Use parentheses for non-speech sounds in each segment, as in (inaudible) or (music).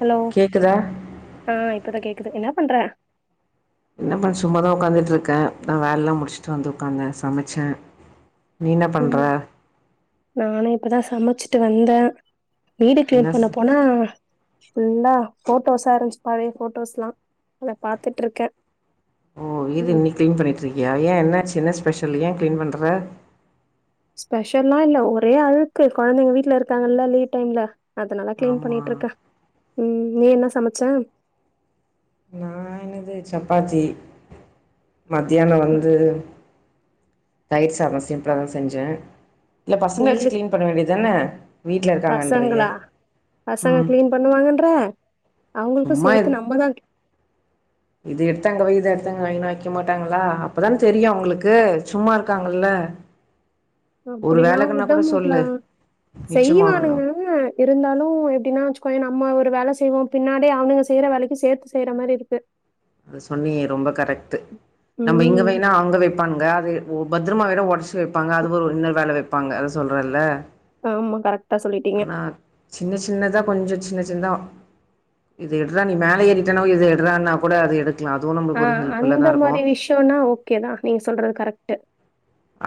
Hello கேக்குதா ஆஹ இப்பதா கேக்குது என்னப் பன்ற என்ன பண்ண சும்மாதா உட்காந்துட்டு இருக்கே பதா வேல எல்லா முடிச்சுட்டு வந்து உட்காந்தேன் சமைச்ச உம் நாநே இப்பதா சமைச்சு ட்டு வந்த வீடு கிளீன் என்ன ஸ் பண்ண போனா ஃபுல்லா போட்டோஸா இருச்சு பழைய போட்டோஸ்லா அத பாத்துட்டு இருக்க ஓ இது இன்னிக்கு கிளீன் பண்ணிட்டு இருக்கியா ஏன் என்னாச்சு என்னா ஸ்பே ஸ்பெஷல் ஏ கிளீன் பண்ணற ஸ்பெஷல்லா இல்ல ஒரே அழுக்கு குழந்தைங்க வீட்டு்ல இருக்காங்கல்ல லீவ் டைம்ல அதனால்லா கிளீன் ஆமா பண்ணிட்டு இருக்க உம் நீ என்ன சமைச்ச நா என்னது சப்பாத்தி மத்தியான வந்து தய்ர் சாதோ சிம்ப்ள்லா தா செஞ்சே இல்ல பசங்கள வச்சு வெயிலுக் க்ளீன் பண்ண வேண்டிதானே பசங்களா பசங்க ம் க்ளீன் பண்ணுவாங்கன்ற அவங்குளுக்கு சும்மா இது சேத்து நம்மதான் க் இது எடுத்து அங்க வை அதை எடுத்தங்க வைனு வய்க்க மாட்டாங்களா அப்பதானே தெரியும் உங்களுக்கு சும்மா இருக்காங்கல்ல ஒரு அப்டிலா வேலைக்குன்னா உட கூட முட்ல சொல்லு மிச்சமாகலா செய்வானுங்கஅ இருந்தாலுன் எப்டின்னா வச்சுக்கோயேன் நம்ம ரு வேல செய்வோ பின்னாடி அவனுங்க செய்ற வேலைக்கு சேத்து செய்ற மாரி இருக்கு அது சொன்னியே ரொம்ப கரெக்ட்டு நம்ம இங்க ம் வைனா அவங்க வெப்பான்க அத ஓ பத்ரமாவைனா ஒடச்சி வெப்பாங்க அது ஓ இன்னரு வேல வெப்பாங்க அதா சொல்றல்ல உம் கரட் ஆனா சின்ன சின்னதா கொஞ்ஜோ சின் சின்தா இது எடுறா நீ மேல ஏறிட்ட (unintelligible) இது எடுறான்னா கூட அது எடுக் ஆஹ் அந்த மாரி விஷ்யன்னா ஓகேதா நீங்க சொல்றது கரெக் ட்டு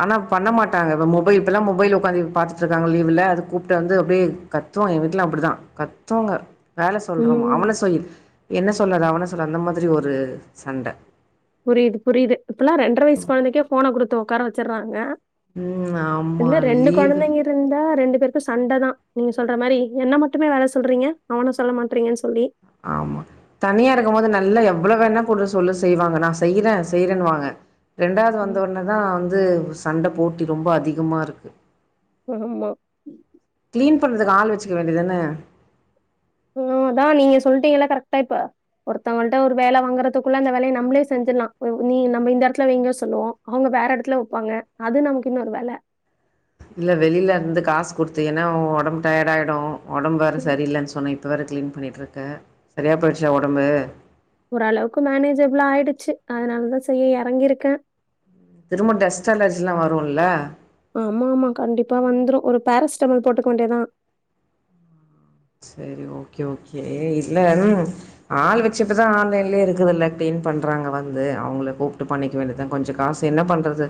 ஆனா பண்ண மாட்டாங்க மொபை இப்ப மொபைல் ஒட்காந்து பாத்துட்டு இருக்காங்க லீவுல அது கூப்பிட்டு வந்து அப்டியே கத்தூ என் வீட்ல அப்டிதா கத்தூங்க வேல சொல்றோமா ம் அவன சொய்யி என்ன சொல்லாதா அவன அப்புறோ அந்த மாதிரி ஒரு சண்ட புரிது புரிது இப்பெல்லா ரெண்டற வயசு கொழந்தைக்கே போன குடுத்து உக்கார வ ச்சிறாங்க ம். ஆமா. இல்ல ரெண்டு லீவு. கொழந்தைங்க இருந்தா ரெண்டு பேருக்கு சண்ட தா நீங்க சொல்ற மாரி என்ன மட்டுமே வேல சொல்றீங்க அவன சொல்ல மாட்டறீங்கன்னு சொல்லி ஆமா தனியா இருக்கும்போது நல்லா எவ்ளோ வேணா போடு சொல்லு செய்வாங்க நா செய்ற செய்றனுவாங்க ரெண்டாவது ம், வந்தவுடனே தா வந்து சண்ட போட்டி ரொம்போ அதிகமாருக்கு ஆமா அப்டிதான ஆஹ் அதா நீங்க சொல்லிட்டீங்கல்ல கரெக்ட்டா இப்ப ஒருத்தவங்கள்ட்ட ஒரு வேல வாங்குறதுகுள்ள அந்த வேலயே நம்மளே செஞ்சுல்லா நீ நம்ம இந்த எடத்துல வைங்க சொல்லுவோ அவங்க வேற எடத்துல வைப்பாங்க அது நமக்கு இன்னொரு வேல இல்ல வெளியில இருந்து காசு குடுத்தினா உன் ஒடம்பு டயர்ட் ஆய்டும் ஒடம்பு வேற ம் சரியில்லன்னு சொன் இப்ப வேற க்ளீன் பண்ணிட்டுருக்க சரியா போயிடுச்சா ஒடம்பு ஓரளவுக்கு மேனேஜபிளா ஆயிடுச்சு அதனாலதா செய்ய எறங்கிருக்க திரும்ப டஸ்ட் அலர்ஜில்லா வருல்ல ஆமா ஆமா கண்டிப்பா வந்துரு ஒரு பேரசிட்டமால் போட்டுக்க வேண்டியதா செரி ஓகே ஓகே இல்ல ம் ஆள் வச்சப்பதான் ஆன்லைன்லயே இருக்குதுல்ல க்ளீன் பண்றாங்க வந்து அவங்கள கூப்பிட்டு பண்ணிக்க வேண்டியதா கொஞ்சோ காசு என்ன பண்றது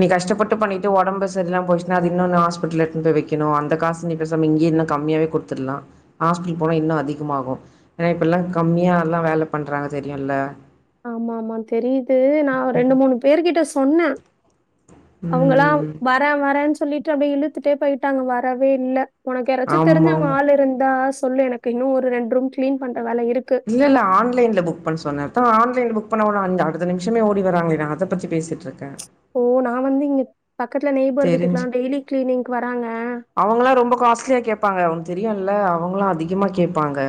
நீ கஷ்டப்பட்டு பண்ணிட்டு ஒடம்பு சரியில்லாம போய்சுன்னா அது இன்னொன்னு ஹாஸ்பிட்டல எடுத்துனு வந்து வெக்கணு அந்த காசு நீ பேசாம இங்கயே இன்னு கம்மியாவே குடுத்துடலா ஹாஸ்பிட்டல் போனா இன்னு அதிகமாகு ஏனா இப்பெல்லா கம்மியா எல்லா வேல பண்றாங்க தெரியுல்ல ஆமா ஆமா தெரியுது நான் ரெண்டு மூணு பேருக்கிட்ட சொன்னா அவங்கெல்லா ம் வர்ற வர்ற சொ சொல்லிட்டு அப்டியே இழுத்துட்டே போயிட்டாங்க வரவே இல்ல உனக்கு யாராச்சு ஆமா தெரிஞ்சவங்க ஆமா ஆள் இருந்தா சொல்லு எனக்கு இன்னு ஒரு ரெண் ரூம் க்ளீன் பண் இல்ல இல்ல ஆன்லைன்ல புக் பண்ண சொன்ன அதா ஆன் லைன் புக் பண்ண ஒன்ன அஞ் அடுத்த நிமிஷமே ஓடி வராங்ளே நா அதப்பத்தி பேசிட்ருக்க ஓ நா வந்து இங்க பக்கத்துல நெய்பர் வீட்டுக்கெல்லா டெய்லி க்ளீனிங்க்கு வர்ராங்க அவங்கெல்லா ரொம்ப காஸ்ட்லியா கேப்பாங்க உன்க்கு தெரியுல்ல அவங்ளா அதிகமா கேப்பாங்க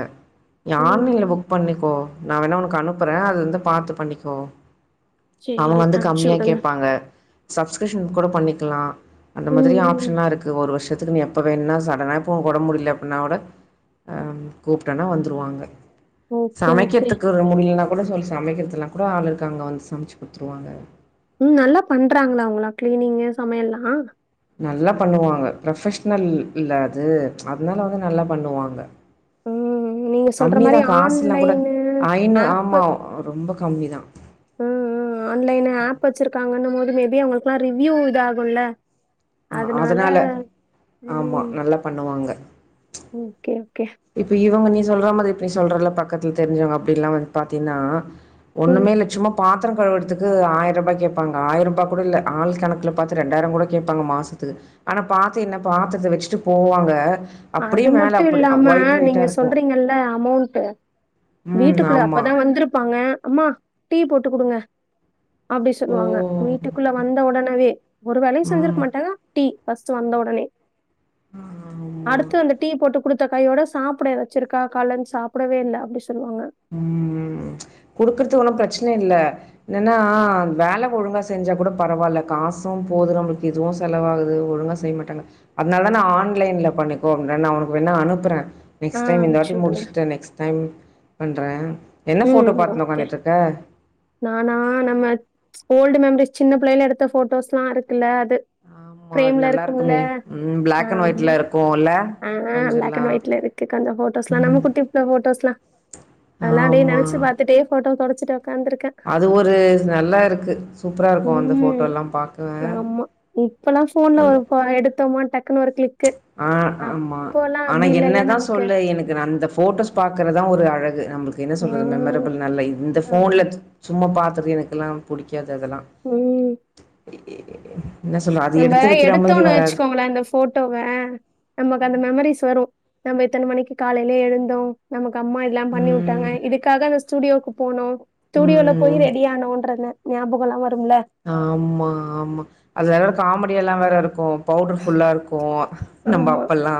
நீ ம், ஆன்லைன்ல ம். புக் பண்ணிக்கோ நா வேணா உனக்கு அனுப்புற அத வந்து பாத்துப் பண்ணிக்கோ அவங்க சரி வந்து அனுப்பிச்சு கம்மியா விடுங்க. கேப்பாங்க சப்ஸ்க்ரிப் த்து கூட பண்ணிக்குலா அந்த ம், மாதிரி ம். ஆப்ஷன்லா இருக்கு ஒரு வர்ஷ் நீ எப்ப வேண்ணா சடனா இப்போ ஒங் ஒடம்பு முடியில அப்புன்னாக் கூட ஆஹ் ம் கூப்ட்டன்னா வந்துருவாங்க ஓகே, ஓகே. சமைக்கெற்த்துக்கு ரொம் முடியில்னாக் கூட சொல்லு சமைக்கெற்துலா கூட ஆள் இருக்காங்க வந்து சமச்சு குடுத்துடுவாங்க உம் நல்லா பண்றாங்ளா அவுங்களா க்ளீனிங்கு சமையல்லா நல்லா பண்ணுவாங்க ப்ரொஃபஷ்னல்ல அது அத்னால வந்து நல்லா பண்ணுவாங்க ம். நீங்க சொல்ற கம்மிதா மாரி காசுல்லாங் கூட ஆன்லைனு, ஐனு ஆப் ஆமா ரொம்ப கம்மிதா ம் ம் ஆன்லைனு ஆப் வச்சிருக்காங்கன்னம் மே பி அவுங்களுக்குல்லா ரிவ்யூ இதாகுல்ல ஆஹ் அதனால ஆமா நல்லா பண்ணுவாங்க உம் இப்ப இவங்க நீ சொல்ற மாரி இப்ப நீ சொல்றல பக்கத்துல தெரிஞ்சவங்க அப்டில்லா வந்து பாத்தீன்னா ம். ஒன்னுமே இல்ல சும்மா பாத் த்ரொ கழவற்துக்கு ஆய்ருபா கேப்பாங்க ஆயிருபா கூட இல்ல ஆள் கணக்குல பாத்து ரெண்டாயிரங் கூட கேப்பாங்க மாசத்துக்கு ஆனா பாத்து என்ன பாத்ரத்த வச்சுட்டு போவாங்க அப்டியே மேல அப்டி ஆமா ஒயிட் ஒயிட்டா நீங்க இருக்கு சொல்றீங்கல்ல அமௌண்ட்டு ம் வீட்டுக்குள்ள ஆமா அப்பதா வந்த்ருப்பாங்க அம்மா டீ போட்டு குடுங்க அப்டி ஓ சொல்லுவாங்க வீட்டுக்குள்ள வந்த ஒடனவே ஒரு வேலையு ம் செஞ்சிருக்க மாட்டாங்க டீ ஃபஸ்ட்டு வந்த ஒடனே ஆமா அடுத்து அந்த டீ போட்டு குடுத் த கையோட சாப்புட எதாச்சு இருக்கா காலருந் சாப்படவே இல்ல அப்டி சொல்லுவாங்க ம் குடுக்குற்து ஒன்னு ப்ரச்சன இல்ல என்னன்னா வேல ஒழுங்கா செஞ்சா கூட பரவால்ல காசும் போகுறவுங்ளுக்கு இதுவும் செலவாகுது ஒழுங்கா செய்ய மாட்டாங்க அதனால நா ஆன்லைன்ல பண்ணிக்கோ (unintelligible) நா உனக்கு வேணா அனுப்புறே ஆ நெக்ஸ் டைம் இந்த அனுப்பிச்சு வாட்டி விடுங்க. முடுஷ்ட்ட நெக்ஸ் டைம் பண்றே என்ன போட்டோ ம் பாத்ணு ஓகே. உக்காந்துட்றுக்க நானா நம்ம ஓல்டு மெமரிஸ் சின்ன புள்ளைைல எடுத்த போட்டோஸ்லாம் இருக்குல்ல அது ஆமா அது ஃபிரம்ல நல்லா இருக்கும்ல இருக்குமே. ம் பிளாக் அண்ட் ஒயிட்ல ஆம்னொ இருக்கும்ல ஆ பிளாக் அண் கொஞ்சல்லாம். ஒய்ட்ல இருக்கு கொஞ்சொ போட்டோஸ்லாம் நம்ம குட்டி புள்ள போட்டோஸ்லாம் அதுலா அப்டியே ஆமா. நெனச்சு பாத்துட்டே போட்டோ தொட அது ஒரு நல்லா இருக்கு சூப்ராருக்கும் அந்த ம். போட்டோலா பாக்கவே இப்பொலா ஃபோன்ல ஒரு (inaudible) எடுத்தோமா டக்குனு ஒரு க்ளிக் ஆ ஆமா ஆனா இல்லல்ல என்னதா நமக்கு சொல்லு எனக்கு ந அந்த ஃபோட்டோஸ் பாக்குறதா ஒரு அழகு நம்பெளுக்கு என்ன சொல்றது ம் மெமரபுள் நல்ல இந்த ஃபோன்ல ஆமா. சும்மா பாத் (unintelligible) புடிக் கு அந்த இதல்லா ம். நம்ம மாதிரி எடுத்தோன்னு வராது. வெச்சுக்கோங்ள அந்த ஃபோட்டோவ நமக்கு அந்த மெமரீஸ் வரு நம்ம இத்தன மணிக்கி காலைல எழுந்தோ நமக் அம்மா எல்லா பண்ணி உட்டாங்க ம். இதுக்காக வஸ் ஸ்டுடியோக்கு போனோ ஸ்டுடியோல போய் ரெடி ஆனோன்றந்த ஞாபகொலா வ ஆம்மா ஆமா அது வேற காமெடியெல்லா வேற இருக்கு பௌடர் ஃபுல்லா இருக்கு நம்ப ஆமா. அப்பல்லா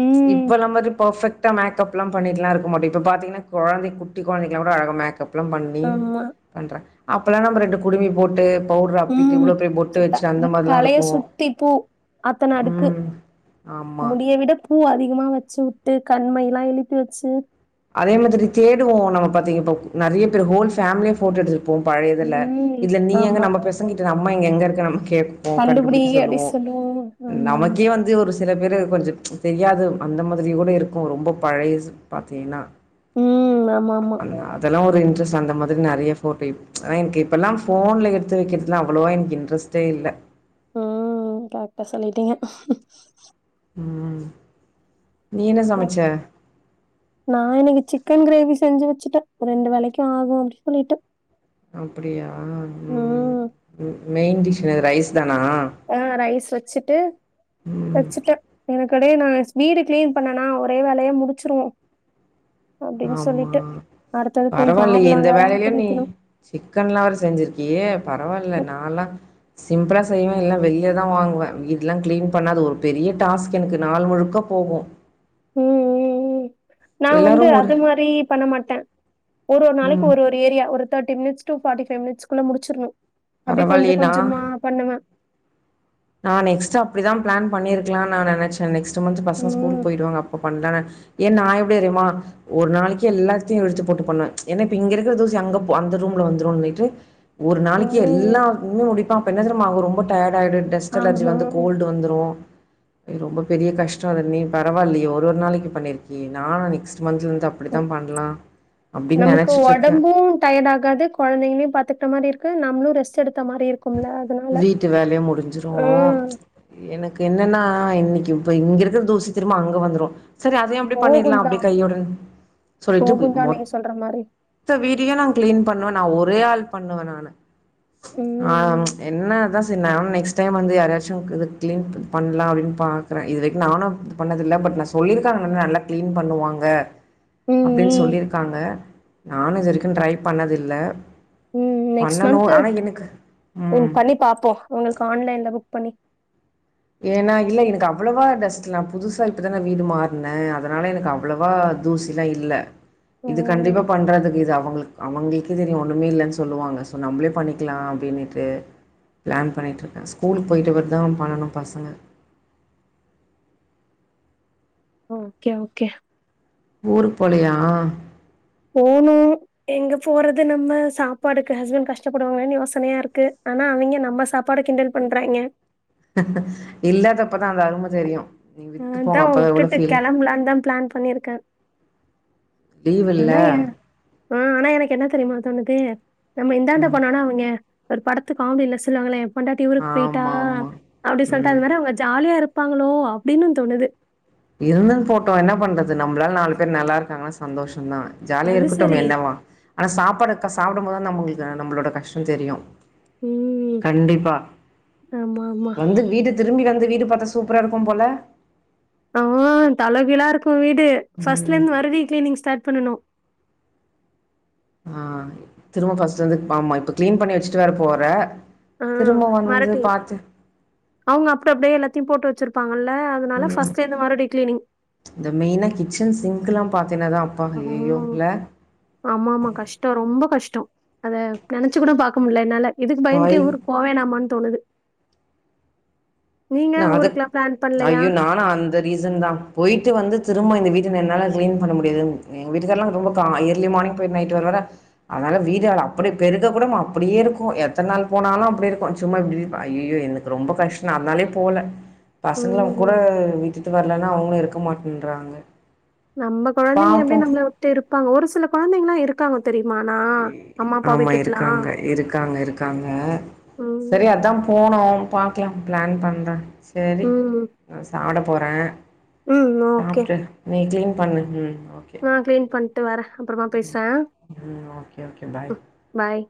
ம். இப்ப நம்மது பஃபெக்ட் டா மேக்கப்லா பண்ணிட்லா இருக்க மாட்டொ இப்ப பாத்தீங்னா கொழந்தைக் குட்டி கொழந்தைக்கெல்லா கூட அழகா மேக் கப்லா பண்ணி ஆமா. பண்ற அப்பலா நம்ம ரெண்டு குடுமி போட்டு பவுடர் அப்பிட்டு ம் இவ்ளோ பெரிய பொட்டு சுத்த வச்சு அந்த ம் மாரிலா தலைய இருக்கு சுத்தி பூ அத்தன அடுக்கு ம் ஆமா முடிய விட பூ அதி திகமா வெச்சுவுட்டு கண்மைலா இழுப்பி வெச்சு அதே மாதிரி தேடுவோ நம்ம பாத்தீங்க இப்ப நெறைய பேர் ஹோல் ஃபேமிலியா ஃபோட்டோ எடுத்துட் ருப்போ பழய இதுல ம். இதுல நீ எங்க ஆமா. நம்ப பெசங்கிட்டு ந அம்மா இங்க எங்க இருக்க கேக்கு கண்டுபிடி கண்டுபுடிக்கெ அப்டி சொல்லுவோ சொல்லுவோம் ஆமா ஆமா நமக்கே வந்து ஒரு சில பேரு கொஞ்ச தெரியாது அந்த மாதிரி கூட இருக்கு ரொம்ப பழைசு ப சேனா ம் ஆமா ஆமா அந் அதெல்லா ஒரு இன் இன்டரெஸ்ட் அந்த மாதிரி நெறைய போட்டே எடு ச்ச் எனக்கு இப்பல்லா போன்ல எடுத்து வெக்கிறதுலா அவ்ளோவ எனக்கு இன்டரெஸ்ட்டே இல்ல ம் கரெக்ட்டா சொல்லிட்டீங்க ம் நீ என்ன சமைச்ச? (inaudible) நான் இன்னைக்கு சிக்கன் கிரேவி செஞ்சு வெச்சுட்ட ஒரு ரெண்டு வேலைக்கு ஆகும் அப்டினு சொல்லிட்டு அப்படியா உம்ம்ம் ம் உம் மெயின் டிஸ் இது ரைஸ் தானா? ஆ ரைஸ் வெச்சுட்டு ம். வச்சுட்ட எனக்கு அப்டியே நாங்க ஸ் வீடு கிளீன் பன்னனா ஒரே வேலையா முடிச்சிருவோம் ஆமா அடுத்தது போய் பரவால்லையே மாவுலா இந்த வேற வேலைலு ஆட்டி நீ வைக்கணு சிக்கன்ல்லா வேற செஞ்சிருக்கியே பரவால்ல ம் நால்லா சிம்பிளா செய்வே இல்லனா வெளிய தா வாங்குவே வீடெல்லா கிளீன் பண்ணா அது ஒரு பெரிய டாஸ்க் எனக்கு நாள் முழுக்க போகும் உம் உம் உம் நா வந்து எல்லாரும் ஒரு அது மாதிரி பண்ண மாட்டேன் ஒரு ஒரு நாளைக்கு ம் ஒரு ஒரு ஏரியா ஒரு தேட்டி மினிட்ஸ் டு ஃபாட்டி ஃபைவ் மினிட்ஸ்குள்ள முடிச்சிருனு அப்டி கொஞ்ச பரவாயில்லையே கொஞ்சமா பண்ணுவே நான் நெக்ஸ்ட்டு அப்படிதா பிளான் பண்ணிருக்கலாம்னு நா நெனச்சே நெக்ஸ்ட் இந்த மந்த் பசங்க ஸ்கூலு ம் போய்டுவாங்க அப்ப பண்ணலன ஏ நா எப்படி எரிமா ஒரு நாளைக்கே எல்லாத்தையு இழுத்து போட்டு பண்ணுவே ஏன்ன இப்ப இங்க இருக்கிற தூசி அங்க போ அந்த ரூம்ல வந்துரும்னிட்டு ஒரு நாளைக்கு ம் எல்லா இன்னு முடிப்பா அப்ப என்ன தெரியுமா ஆவு டயட் ஆயிடுட் அலர்ஜி ஆமா. வந்து கோல்டு வந்துரு ரொம்ப பெரிய கஷ்ட அது நீ பரவாயில்லையே ஒரு ஒரு நாளைக்கு பண்ணிருக்கியே நானா நெக்ஸ்ட் மந்த்ல இருந்து அப்டித்தா பண்லா அப்டின்னு நமக்கு நெனச்சிட்டு இருக்கே உடம்பு டயர்ட் ஆகாது குழந்தைங்களையு பாத்துக்கிட்ட மாரி இரு க்கு நம்மூளு ரெஸ்ட் எடுத் வீட்டு வேலையே முடிஞ்சிரூ ஆ எனக்கு என்னன்னா இன் இப்ப இங்க இருக்கிற தூசி திரும்ப அங்க வந்துரு சரி அதையு அப்படி பண்ணிடலா போகும் அப்படி தான். கையோட சொல்லிட்டு போகும் தான் நீங்க சொல்ற மாரி. மொத்த வீடியு நா கிளீன் பண்ண நா ஒரே ஆள் பண்ணுவே நானு ஆஹ் ம். என்னாதா செரி நானு நெக்ஸ்ட் டைம் வந்து யாரையாச்சு கிளீன் பண்லா அப்டின் பாக்கற இது வெரைக்கு நானு பண்ணதுல்ல பட் நா சொல்லிருக்க அவுங்க நல்லா கிளீன் பண்ணுவாங்க ம். அப்டின் ம். சொல்லிருக் காங்க நானு இதுரைக்கு ட்ரை பண்ணதில்ல ம். நெக்ஸ்ட் பண்ணணு மந்த்து ஆனா எனக்கு ம் பண்ணி பாப்போ உங்குள்க்கு ஆன்லைன்ல புக் பண்ணி ஏன்னா இல்ல எனக்கு அவ்ளவா டஸ்ட்டுலா புதுசா இப்பதான நா வீடு மாற்ன அதனால எனக்கு அவ்ளவா தூசில்லா இல்ல இது கண்டிப்பா ம். பண்றதுக்கு இது அவுங்ளுக் அவுங்ளுக்கு தெரியு ஒன்றுமே இல்லன் சொல்லுவாங்க ஸோ நம்ளே பண்ணிக்கலா அப்டின்னுட்டு பிளான் பண்ணிட்டுருக்க ஸ்கூலுக் போயிட்ட பேர் தா பண்ணணு பசங்க ஓகே ஓகே ஊருக் போலையா போணு எங்க போறது நம்ம சாப்பாடுக்கு ஹஸ்பண்ட் கஷ்டப்படுவாங்களேன்னு யோசனையா இருக்கு ஆனா அவிங்க நம்ம சாப்பாட கிண்டல் பண்றாய்ங்க இல்லாதப்ப அதா எவ்ளோ உட்டுட்டு ஃபீல் கெளம்ப்லான்தா ப்ளான் பண்ணிருக்க லீவ் இல்ல ஆனா ஏ ஆ ஆனா எனக்கு என்ன தெரியுமா தோணுது நம்ம இந்தாண்ட ம் போணோனே அவிங்க ஒரு படத்து காமெடில சொல்லுவாங்களே பொண்டாட்டி ஊருக்க போயிட்டா ஆமா ஆமா அப்டி சொல்ட்டு அது ம் மாரி அவுங்க ஜாலியா இரு ப்பாங்களோ அப்டின்னு தோணுது இருந்துன் போட்டு என்னா பண்ற து நம்ளால நால் பேர் நல்லாருக்காங்ளா சந்தோஷ் ந்தா ஜாலியா அது சரி. இருக்கட்டுமே என்னவா ஆனா சாப்பாடு கஸ் சாப்டம் போதா நம்ளுக்கு நம்பளோட கஷ்டொ தெரியு ம் கண்டிப்பா ஆமா ஆமா. வந்து வீடு திரும்பி வந்து வீடு பாத்தா சூப்ரா இருக்கும் போல ஆ தலகீழா இருக் ஊ வீடு ம் ஃபர்ஸ்ட்லந்து மறுபடி க்ளீனிங் ஸ்டார்ட் பண்ணணு ஆ திரும்ப ஃபர்ஸ்ட்லந்து ஆமா இப்ப கீளீன் பண்ணி வெச்சிட்டு வேற போற அ திரும்ப வந்து மறட்டி பாத்து அவுங்க அப்டு அப்டியே எல்லாத்தியு போட்டு வெச்சிருப் ம் இந்த மெயினா கிச்சன் சிங்க்குல்லாம் ஹம் ஆமாமா கஷ்டோ ரொம்ப கஷ்டோ அத நெனச்சு கூட பாக்க முட்ல என்னால இதுக்கு பயந்துட்டே ஸ்பாயில் ஊருக்கு போவேணாம்மா தோணுது நீங்க (unintelligible) ஊருக்குலாம் பிளான் (inaudible) பண்ணலையா? ஐயோ நானா அந்த ரீசன் தா போயிட்டு வந்து சும்மா இந்த வீட்ட என்னால கிளீன் பண்ண முடியாது எங்க வீட்டுக்கார்லா ரொம்ப இயர்லி மார்னிங் போய் நைட் வர வர அதனால வீடு அப்படி பெருக கூட அப்டியேருக்கு எத்தன் நாள் போனாலு அப்படி இருக்கும் சும்மா இப்படி ஐயிய்யோ எனக்கு ரொம்ப கஷ்டோ அதனாலே ப் போல பசங்ளா ம். கூட வீட்டு வரலன்னா அவுங்ளு இருக்க மாட்டேன்றாங்க நம்ம கொழந்தைங்க எப்டி பாப்போ நம்மள விட்டுருப்பாங்க ஒரு சில கொழந்தைங்ல்லா இருக் (unintelligible) ஆமா இருக்காங்க இருக்காங்க இருக்காங்க சேரி ம். அதா போனோ பாக்லா பிளான் பண்றே சேரி ம். (unintelligible) போறே ம். சாப்ட்டே (unintelligible) பண்ணு உம் ஆஹ் க்ளீன் பண்ட்டு வரே அப்றோமா பேசுரே ம் ஓகே ஓகே பாய் பாய்